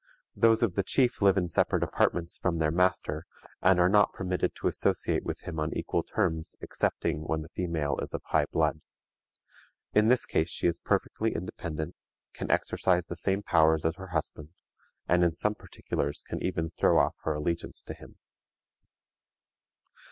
Those of the chief live in separate apartments from their master, and are not permitted to associate with him on equal terms excepting when the female is of high blood. In this case she is perfectly independent, can exercise the same powers as her husband, and in some particulars can even throw off her allegiance to him.